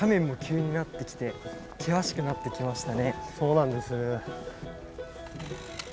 そうなんです。